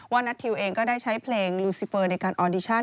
นัททิวเองก็ได้ใช้เพลงลูซิเฟอร์ในการออดิชั่น